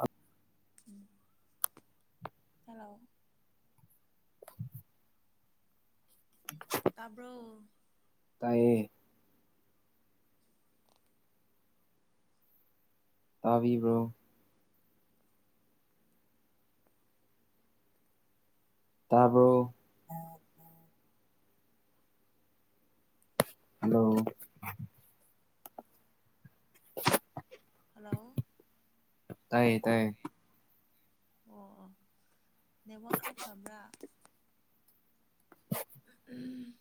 ꯑ [inaudible] ꯍꯜꯂꯣ [inaudible] ꯇꯔꯕꯣ ꯇꯥꯏꯌꯦ ꯇꯥꯕꯤꯕ꯭ꯔꯣ ꯇꯥꯔꯕꯣ ꯍꯂꯣ ꯍꯜꯂꯣ ꯇꯥꯏꯌꯦ ꯇꯥꯏꯌꯦ ꯑꯣ ꯑꯣ ꯅꯦꯠꯋꯛ ꯈꯔ ꯐꯕ꯭ꯔꯥ ꯎꯝ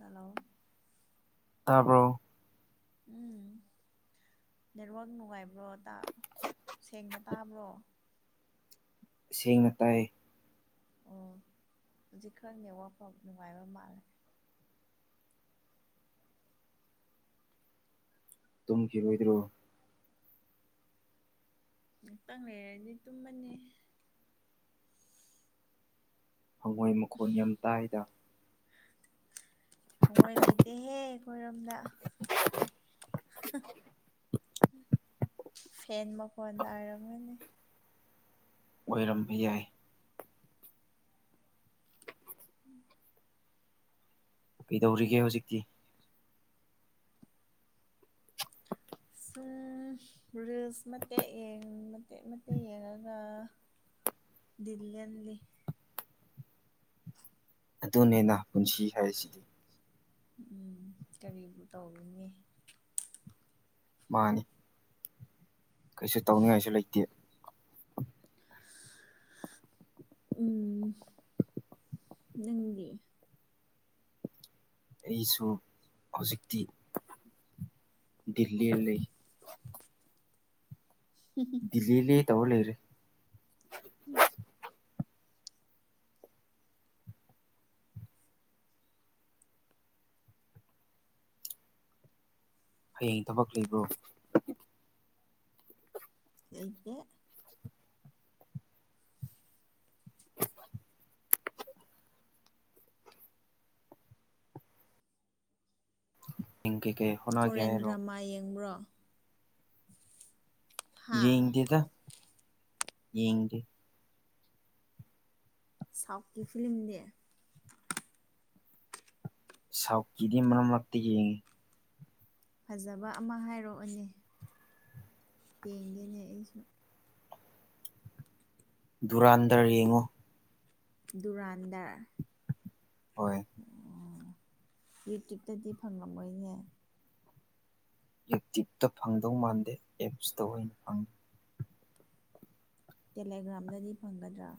ꯍꯂꯣ ꯇꯥꯕꯔꯣ ꯎꯝ ꯅꯦꯠꯋꯥꯛ ꯅꯨꯡꯉꯥꯏꯕ꯭ꯔꯣ ꯁꯦꯡꯅ ꯇꯥꯕ꯭ꯔꯣ ꯁꯦꯡꯅ ꯇꯥꯏ ꯑꯣ ꯍꯧꯖꯤꯛ ꯈꯔ ꯅꯦꯋꯄ ꯅꯨꯡꯉꯥꯏꯕ ꯃꯥꯜꯂꯦ ꯇꯨꯝꯈꯤꯔꯣꯏꯗ꯭ꯔꯣ ꯉꯥꯛꯇꯪ ꯂꯩꯔꯗꯤ ꯇꯨꯝꯃꯅꯤ ꯍꯉꯣꯏ ꯃꯈꯣꯟ ꯌꯥꯝ ꯇꯥꯏꯗ ꯍꯉꯣꯏ ꯂꯩꯇꯦꯍꯦ ꯑꯩꯈꯣꯏꯔꯣꯝꯗ ꯐꯦꯟ ꯃꯈꯣꯟ ꯇꯔꯝꯒꯅꯤ ꯑꯣꯏꯔꯝꯕ ꯌꯥꯏ ꯎꯝ ꯀꯩꯗꯧꯔꯤꯒꯦ ꯍꯧꯖꯤꯛꯇꯤ ꯁꯨꯝ ꯔꯤꯜꯁ ꯃꯇꯦꯛ ꯌꯦꯡ ꯃꯇꯦꯛ ꯃꯇꯦꯛ ꯌꯦꯡꯉꯒ ꯗꯤꯜ ꯂꯦꯜꯂꯤ ꯑꯗꯨꯅꯦꯅ ꯄꯨꯟꯁꯤ ꯍꯥꯏꯁꯤꯗꯤ ꯎꯝ ꯀꯔꯤꯕꯨ ꯇꯧꯔꯨꯅꯤ ꯃꯥꯅꯤ ꯀꯩꯁꯨ ꯇꯧꯅꯤꯡꯉꯥꯏꯁꯨ ꯂꯩꯇꯦ ꯎꯝ ꯅꯪꯗꯤ ꯑꯩꯁꯨ ꯍꯧꯖꯤꯛꯇꯤ ꯗꯤꯜ ꯂꯦꯜ ꯂꯩ ꯗꯤꯜ ꯂꯦꯂꯦ ꯇꯧꯔ ꯂꯩꯔꯦ ꯎꯝ ꯍꯌꯦꯡ ꯊꯕꯛ ꯂꯩꯕ꯭ꯔꯣ ꯂꯩꯇꯦ ꯏꯦꯡ ꯀꯦ ꯀꯦ ꯀꯣꯔꯦꯟ ꯗ꯭ꯔꯃꯥ ꯌꯦꯡꯕ꯭ꯔꯣ ꯍꯥ ꯌꯦꯡꯗꯦꯗ ꯌꯦꯡꯗꯦ ꯁꯥꯎꯠꯀꯤ ꯐꯤꯂꯃꯗꯤ ꯁꯥꯎꯠꯀꯤꯗꯤ ꯃꯔꯛ ꯃꯔꯛꯇ ꯌꯦꯡꯉꯤ ꯐꯖꯕ ꯑꯃ ꯍꯥꯏꯔꯛꯑꯣꯅꯦ ꯌꯦꯪꯗꯣꯏꯅꯦ ꯑꯩꯁꯨ ꯗꯨꯔꯥꯟꯗꯔ ꯌꯦꯡꯉꯣ ꯗꯨꯨꯔꯥꯟꯗꯔ ꯍꯣꯏ ꯑꯣ ꯌꯨꯇ꯭ꯌꯕꯇꯗꯤ ꯐꯪꯂꯝꯝꯃꯣꯏꯅꯦ ꯌꯨꯇ꯭ꯌꯨꯕꯇ ꯐꯪꯗꯧ ꯃꯥꯟꯗꯦ ꯑꯦꯞꯁꯇ ꯑꯣꯏꯅ ꯐꯪꯅꯤ ꯇꯦꯂꯦꯒ꯭ꯔꯥꯝꯗꯗꯤ ꯐꯪꯒꯗ꯭ꯔꯥ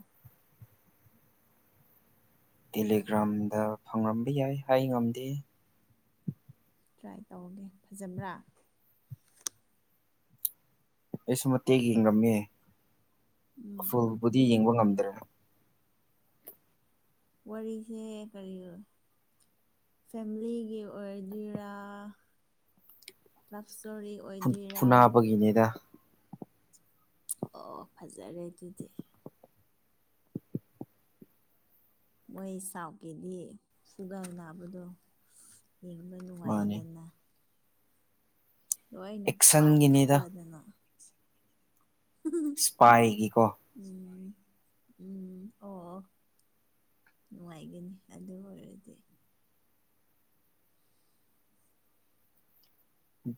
ꯇꯦꯂꯤꯒ꯭ꯔꯥꯝꯗ ꯐꯪꯔꯝꯕ ꯌꯥꯏ ꯍꯥꯏ ꯉꯝꯗꯦ ꯇ꯭ꯔꯥꯏ ꯇꯧꯔꯒꯦ ꯐꯖꯕ꯭ꯔꯥ ꯑꯩꯁꯨ ꯃꯇꯦꯛ ꯌꯦꯡꯉꯝꯃꯦ ꯎꯝ ꯐꯨꯜꯕꯨꯗꯤ ꯌꯦꯡꯕ ꯉꯝꯗ꯭ꯔꯦ ꯋꯥꯔꯤꯁꯦ ꯀꯔꯤ ꯐꯦꯃꯤꯂꯤꯒꯤ ꯑꯣꯏꯗꯣꯏꯔ ꯂꯞ ꯁꯇꯣꯔꯤ ꯑꯣꯏꯗꯣꯏꯔ ꯃꯤꯅꯦꯗ ꯑꯣ ꯐꯖꯔꯦ ꯑꯗꯨꯗꯤ ꯃꯣꯏ ꯁꯥꯎꯀꯤꯗꯤ ꯁꯨꯒꯔ ꯅꯥꯕꯗꯣ ꯌꯦꯡꯕ ꯃꯥꯅꯦ ꯅꯨꯡꯉꯥꯏꯗꯅ ꯂꯣꯏꯅ ꯑꯦꯛꯁꯟꯒꯤꯅꯤꯗ ꯄꯥꯏꯈꯠꯂꯗꯅ ꯁꯄꯥꯏꯒꯤꯀꯣ ꯎꯝ ꯎꯝ ꯑꯣ ꯅꯨꯡꯉꯥꯏꯒꯅꯤ ꯑꯗꯨ ꯑꯣꯏꯔꯗꯤ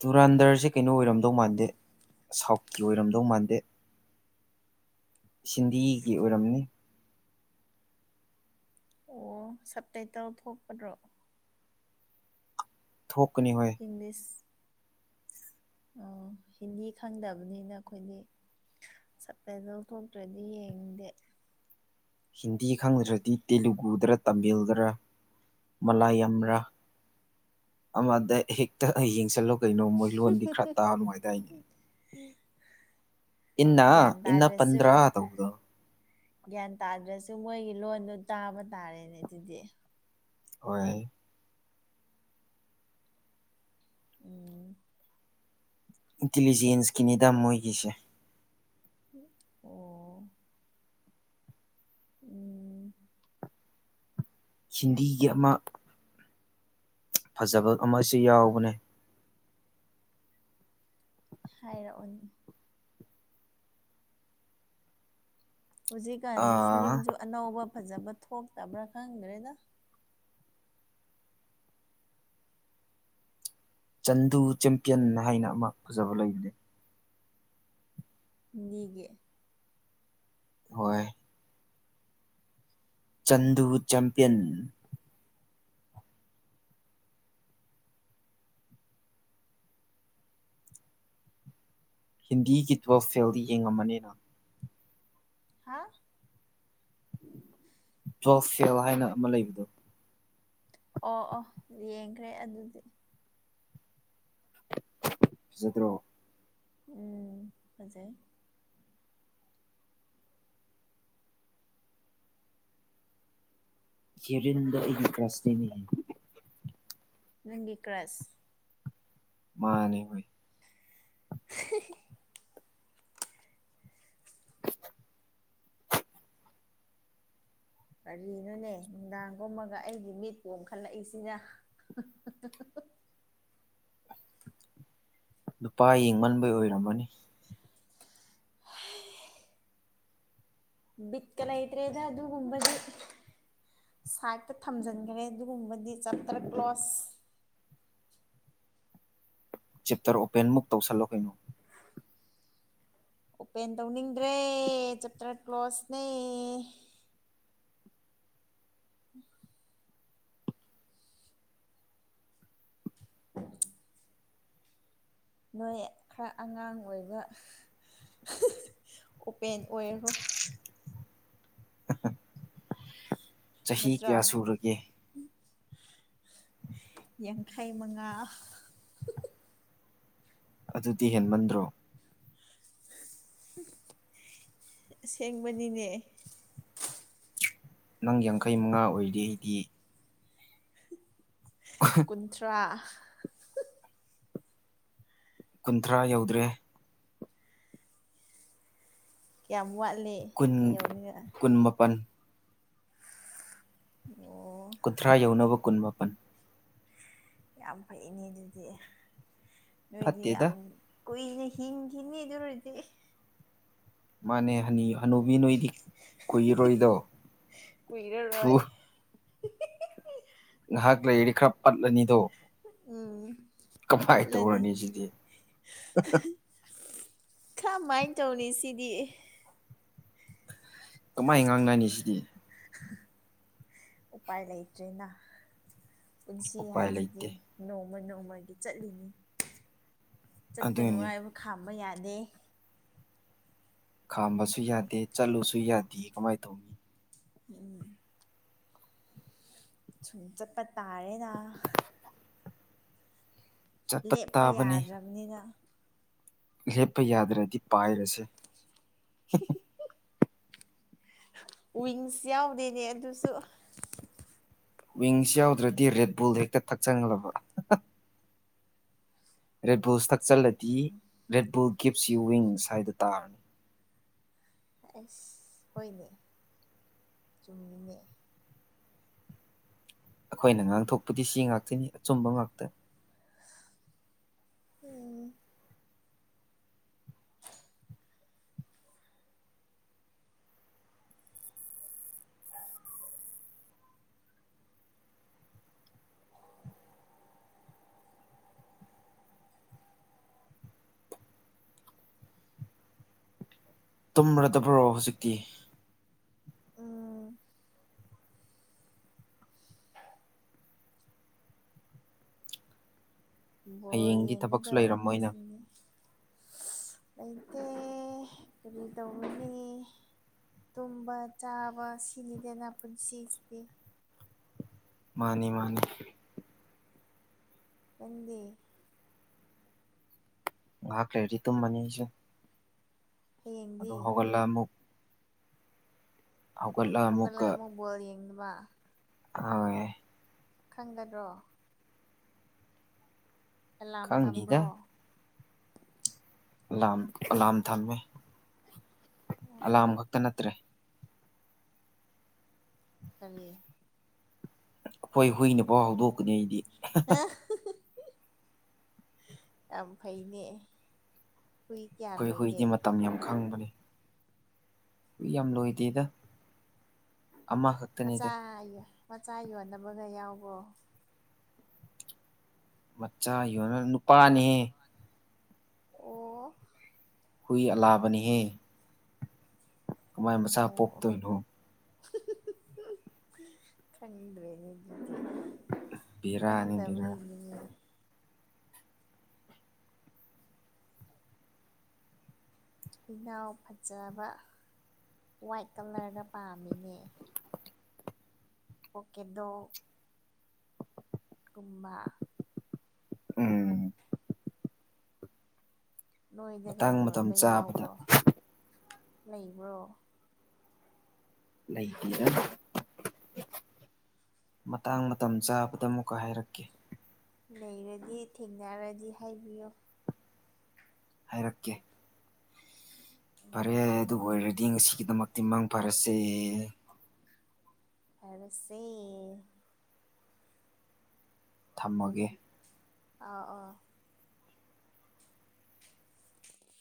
ꯗꯨꯔꯥꯟꯗꯔꯁꯦ ꯀꯩꯅꯣ ꯑꯣꯏꯔꯝꯗꯧ ꯃꯥꯟꯗꯦ ꯁꯥꯎꯠꯀꯤ ꯑꯣꯏꯔꯝꯗꯧ ꯃꯥꯟꯗꯦ ꯍꯤꯟꯗꯤꯒꯤ ꯑꯣꯏꯔꯝꯅꯤ ꯑꯣ ꯁꯞ ꯇꯥꯏꯇꯜ ꯊꯣꯛꯄꯗ꯭ꯔꯣ ꯊꯣꯛꯀꯥꯅꯤ ꯍꯣꯏ ꯏꯪꯂꯤꯁ ꯑꯣ ꯍꯤꯟꯗꯤ ꯈꯪꯗꯕꯅꯤꯅ ꯑꯩꯈꯣꯏꯗꯤ ꯁꯕ ꯇꯥꯏꯇꯥꯜ ꯊꯣꯛꯣꯛꯇ꯭ꯔꯗꯤ ꯌꯦꯡꯗꯦ ꯍꯤꯟꯗꯤ ꯈꯪꯗ꯭ꯔꯗꯤ ꯇꯦꯂꯨꯒꯨꯗꯔ ꯇꯥꯃꯤꯜꯗꯔ ꯃꯂꯥ ꯌꯥꯝ꯭ꯔꯥ ꯑꯃꯗ ꯍꯦꯛꯇ ꯌꯦꯡꯁꯤꯜꯂꯨ ꯀꯩꯅꯣ ꯃꯣꯏ ꯂꯣꯟꯗꯤ ꯈꯔ ꯇꯥ ꯅꯨꯉꯥꯏꯗꯥꯏꯅꯦ ꯍ ꯏꯅꯥ ꯏꯅ ꯄꯗ꯭ꯔ ꯑ ꯇꯧꯗꯣ ꯒ꯭ꯌꯥꯟ ꯇꯥꯗ꯭ꯔꯁꯨ ꯃꯣꯏꯒꯤ ꯂꯣꯟꯗꯣ ꯇꯥꯕ ꯇꯥꯔꯦꯅꯦ ꯑꯗꯨꯗꯤ ꯍꯣꯏ ꯎꯝ ꯏꯟꯇꯤꯂꯤꯖꯦꯟꯁꯀꯤꯅꯤꯗ ꯃꯣꯏꯒꯤꯁꯦ ꯑꯣ ꯎꯝ ꯍꯤꯟꯗꯤꯒꯤ ꯑꯃ ꯐꯖꯕ ꯑꯃꯁꯨ ꯌꯥꯎꯕꯅꯦ ꯍꯥꯏꯔꯛꯑꯣꯅꯤ ꯍꯧꯖꯤꯛꯀꯥꯟꯁꯤ ꯑꯥ ꯐꯤꯂꯝꯁꯨ ꯑꯅꯧꯕ ꯐꯖꯕ ꯊꯣꯛꯇꯕ꯭ꯔꯥ ꯈꯪꯗ꯭ꯔꯦꯗ ꯆꯟꯗꯨ ꯆꯦꯝꯄꯤꯌꯟ ꯍꯥꯏꯅ ꯑꯃ ꯐꯖꯕ ꯂꯩꯕꯅꯤ ꯅꯤꯒꯤ ꯍꯣꯏ ꯆꯟꯗꯨ ꯆꯦꯝꯄꯤꯌꯟ ꯍꯤꯟꯗꯤꯒꯤ ꯇꯨꯋꯦꯜꯐ ꯐꯦꯜꯗꯤ ꯌꯦꯡꯉꯝꯃꯅꯤꯅ ꯍꯥ ꯇꯨꯋꯦꯜꯐ ꯐꯦꯜ ꯍꯥꯏꯅ ꯑꯃ ꯂꯩꯕꯗꯣ ꯑꯣ ꯑꯣ ꯌꯦꯡꯈ꯭ꯔꯦ ꯑꯗꯨꯗꯤ ꯐꯖꯗ꯭ꯔꯣ ꯎꯝ ꯐꯖꯩ ꯀꯦꯔꯤꯟꯗꯣ ꯑꯩꯒꯤ ꯀ꯭ꯔꯁꯅꯤꯅꯦꯍꯦ ꯅꯪꯒꯤ ꯀ꯭ꯔꯁ ꯃꯥꯅꯦ ꯍꯣꯢ [unintelligible] ꯀꯔꯤꯅꯣꯅꯦ ꯅꯨꯡꯗꯥꯡ ꯇꯨꯝꯃꯒ ꯑꯩꯒꯤ ꯃꯤꯠ ꯄꯣꯝꯈꯠꯂꯛꯏꯁꯤꯅ ꯅꯨꯄꯥ ꯌꯦꯡꯃꯟꯕꯩ ꯑꯣꯏꯔꯝꯃꯅꯤ ꯕꯤꯠꯀ ꯂꯩꯇ꯭ꯔꯦꯗ ꯑꯗꯨꯒꯨꯝꯕꯗꯤ ꯁꯥꯏꯗꯇ ꯊꯝꯖꯟꯒ꯭ꯔꯦ ꯑꯗꯨꯒꯨꯝꯕꯗꯤ ꯆꯞꯇꯔ ꯀ꯭ꯂꯣꯁ ꯆꯦꯞꯇꯔ ꯑꯣꯄꯦꯟꯃꯨꯛ ꯇꯧꯁꯜꯂꯣ ꯀꯩꯅꯣ ꯑꯣꯄꯦꯟ ꯇꯧꯅꯤꯡꯗ꯭ꯔꯦ ꯆꯦꯞꯇꯔ ꯀ꯭ꯂꯣꯁꯅꯦ [inaudible] ꯅꯣꯏ ꯈꯔ ꯑꯉꯥꯡ ꯑꯣꯏꯕ ꯑꯣꯄꯦꯟ ꯑꯣꯏꯈ꯭ꯔꯣ ꯆꯍꯤ ꯅꯠꯇ꯭ꯔꯣ ꯀꯌꯥ ꯁꯨꯔꯒꯦ ꯌꯥꯡꯈꯩ ꯃꯉꯥ ꯑꯗꯨꯗꯤ ꯍꯦꯟꯃꯟꯗ꯭ꯔꯣ ꯑꯁꯦꯡꯕꯅꯤꯅꯦ ꯅꯪ ꯌꯥꯡꯈꯩ ꯃꯉꯥ ꯑꯣꯏꯔꯤ ꯑꯩꯗꯤ ꯀꯨꯟꯊ꯭ꯔꯥ ꯀꯨꯟꯊ꯭ꯔꯥ ꯌꯧꯗ꯭ꯔꯦ ꯀꯌꯥꯝ ꯋꯥꯠꯂꯤ ꯀꯨꯟ ꯌꯧꯅꯤꯡꯉꯥꯢ ꯀꯨꯟ ꯃꯥꯄꯟ ꯑꯣ ꯊ꯭ꯔꯥ ꯌꯧꯅꯕ ꯀꯨꯟ ꯃꯥꯄꯟ ꯌꯥꯝ ꯐꯩꯅꯦ ꯑꯗꯨꯗꯤ ꯅꯣꯏꯗꯤ ꯌꯥꯝ ꯐꯠꯇꯦꯗ ꯀꯨꯏꯅ ꯍꯤꯡꯈꯤꯅꯤ ꯑꯗꯨ ꯑꯣꯏꯗꯤ ꯃꯥꯅꯦ ꯍꯅꯤ ꯍꯅꯨꯕꯤ ꯅꯣꯏꯗꯤ ꯀꯨꯏꯔꯔꯣꯏꯗꯣ ꯊꯨ ꯀꯨꯏꯔꯔꯣꯏ ꯉꯍꯥꯛ ꯂꯩꯔꯗꯤ ꯈꯔ ꯄꯠꯂꯅꯤꯗꯣ ꯎꯝ ꯀꯃꯥꯏ ꯄꯠꯂꯅꯤ ꯇꯧꯔꯅꯤ ꯁꯤꯗꯤ ꯈꯃꯥꯏ ꯇꯧꯅꯤ ꯁꯤꯗꯤ ꯀꯃꯥꯏ ꯉꯥꯡꯅꯅꯤ ꯁꯤꯗꯤ ꯎꯄꯥꯏ ꯂꯩꯇ꯭ꯔꯦꯅ ꯄꯨꯟꯁꯤ ꯎꯄꯥꯏ ꯍꯥꯏꯁꯤꯗꯤ ꯂꯩꯇꯦ ꯅꯣꯡꯃ ꯅꯣꯡꯃꯒꯤ ꯆꯠꯂꯤꯅꯤ ꯆꯠꯀꯅꯨ ꯑꯗꯨꯅꯤ ꯍꯥꯏꯕ ꯈꯥꯝꯕ ꯌꯥꯗꯦ ꯈꯥꯝꯕꯁꯨ ꯌꯥꯗꯦ ꯆꯠꯂꯨꯁꯨ ꯌꯥꯗꯦ ꯀꯃꯥꯏ ꯇꯧꯅꯤ ꯎꯝ ꯁꯨꯝ ꯆꯠꯄ ꯇꯥꯔꯦꯅ ꯆꯠꯄ ꯂꯦꯞꯄ ꯇꯥꯕꯅꯤ ꯌꯥꯗ꯭ꯔꯕꯅꯤꯅ ꯂꯦꯞꯄ ꯌꯥꯗ꯭ꯔꯗꯤ ꯄꯥꯏꯔꯁꯦ [unintelligible] ꯋꯤꯡꯁ ꯌꯥꯎꯗꯦꯅꯦ ꯑꯗꯨꯁꯨ ꯋꯤꯡꯁ ꯌꯥꯎꯗ꯭ꯔꯗꯤ ꯔꯦꯠ ꯕꯨꯜ ꯍꯦꯛꯇ ꯊꯛꯆꯜꯂꯕ ꯔꯦꯠꯕꯨꯜꯁ ꯊꯛꯆꯜꯂꯗꯤ Red Bull gives you wings ꯍꯥꯏ ꯇꯥꯔꯅꯤ ꯑꯁ ꯍꯣꯏꯅꯦ ꯆꯨꯝꯃꯤꯅꯦ ꯑꯩꯈꯣꯏꯅ ꯉꯥꯡꯊꯣꯛꯄꯗꯤ ꯁꯤ ꯉꯥꯛꯇꯅꯤ ꯑꯆꯨꯝꯕ ꯉꯥꯛꯇ ꯎꯝ [inaudible] ꯇꯨꯝꯔꯗꯕ꯭ꯔꯣ ꯍꯧꯖꯤꯛꯇꯤ ꯎꯝ [unintelligible] ꯕꯣꯜ ꯍꯌꯦꯡꯗꯤ ꯊꯕꯛꯁꯨ ꯌꯦꯡꯒꯗꯕ ꯃꯤ ꯂꯩꯔꯝꯃꯣꯏꯅ ꯁꯤꯅꯤ ꯂꯩꯇꯦ ꯀꯔꯤ ꯇꯧꯅꯤ ꯇꯨꯝꯕ ꯆꯥꯕ ꯁꯤꯅꯤꯗꯅ ꯄꯨꯟꯁꯤꯁꯤꯗꯤ ꯃꯥꯅꯤ ꯃꯥꯅꯤ ꯅꯪꯗꯤ ꯉꯥꯏꯍꯥꯛ ꯂꯩꯔꯗꯤ ꯇꯨꯝꯃꯅꯤ ꯑꯩꯁꯨ ꯑꯗꯨ ꯍꯌꯦꯡꯗꯤ ꯍꯧꯒꯠꯂ ꯑꯃꯨꯛ ꯍꯧꯒꯠꯂ ꯑꯃꯨꯛꯀ ꯍꯧꯒꯠꯂꯒ ꯑꯃꯨꯛ ꯕꯣꯜ ꯌꯦꯡꯅꯕ ꯍꯣꯏ ꯈꯪꯒꯗ꯭ꯔꯣ ꯑꯦꯂꯥꯝ ꯈꯪꯅꯤꯗ ꯊꯝꯕ꯭ꯔꯣ ꯑꯦꯂꯥꯝ ꯑꯂꯥꯝ ꯊꯝꯃꯦ ꯑꯣ ꯑꯂꯥꯝ ꯈꯛꯇ ꯅꯠꯇ꯭ꯔꯦ ꯀꯔꯤ ꯑꯩꯈꯣꯏ ꯍꯨꯏꯅꯐꯥꯎ ꯍꯧꯗꯣꯛꯀꯅꯤ ꯑꯩꯗꯤ ꯌꯥꯝꯐꯩꯅꯦ ꯍꯨꯏ ꯀꯌꯥ ꯂꯣꯏꯒꯦ ꯈꯪꯕꯅꯤ ꯍꯨꯏ ꯌꯥꯝ ꯂꯣꯏꯗꯦꯗ ꯑꯃꯈꯛꯇꯅꯤꯗ ꯃꯆꯥ ꯌꯦ ꯃꯆꯥ ꯌꯣꯟꯅꯕꯒ ꯌꯥꯎꯕ꯭ꯔꯣ ꯃꯆꯥ ꯌꯣꯟꯅꯕ ꯅꯨꯄꯥꯅꯦ ꯑꯣ ꯍꯨꯏ ꯑꯂꯥꯕꯅꯤꯍꯦ ꯀꯃꯥꯏ ꯃꯆꯥ ꯑꯣ ꯑꯣ ꯄꯣꯛꯇꯣꯏꯅꯣ ꯈꯪꯗ꯭ꯔꯦꯅꯦ ꯗꯨꯗꯤ ꯕꯦꯔꯥꯅꯤ ꯕꯦꯔꯥ ꯈꯪꯗꯕꯩ ꯅꯤꯅꯦ ꯍꯨꯏꯅꯥꯎ ꯐꯖꯕ ꯋꯥꯏꯠ ꯀꯂꯔꯗ ꯄꯥꯝꯃꯤꯅꯦ ꯄꯣꯀꯦꯗꯣꯛ ꯀꯨꯝꯕ ꯎꯝ ꯅꯣꯏꯗꯒ ꯃꯇꯥꯡ ꯃꯇꯝ ꯌꯣꯟꯕ ꯆꯥꯕꯗ ꯌꯥꯎꯕ꯭ꯔꯣ ꯂꯩꯕ꯭ꯔꯣ ꯂꯩꯇꯦꯗ ꯃꯇꯥꯡ ꯃꯇꯝ ꯆꯥꯕꯗ ꯑꯃꯨꯛꯀ ꯍꯥꯏꯔꯛꯀꯦ ꯂꯩꯔꯗꯤ ꯊꯦꯡꯅꯔꯗꯤ ꯍꯥꯏꯕꯤꯌꯣ ꯍꯥꯏꯔꯛꯀꯦ [unintelligible] ꯐꯔꯦ ꯑꯗꯨꯕꯨ ꯑꯣꯏꯔꯗꯤ ꯉꯁꯤꯒꯤꯗꯃꯛꯇꯤ ꯃꯪ ꯐꯔꯁꯦ ꯐꯔꯁꯦ ꯊꯝꯃꯒꯦ ꯑꯥ ꯑꯣ